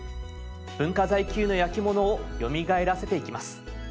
文化財級の焼き物をよみがえらせていきます。